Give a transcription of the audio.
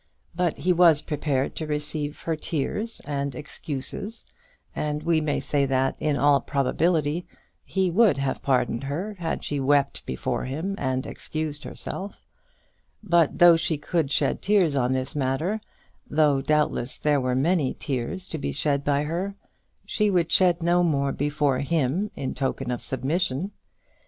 But he was prepared to receive her tears and excuses, and we may say that, in all probability, he would have pardoned her had she wept before him and excused herself. But though she could shed tears on this matter, though, doubtless, there were many tears to be shed by her, she would shed no more before him in token of submission.